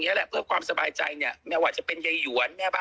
ทุกรายการอะไรเนี่ยค่ะแล้วกลายเป็นแบบ